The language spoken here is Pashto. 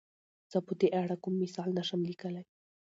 زۀ په دې اړه کوم مثال نه شم ليکلی.